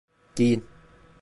Giyin.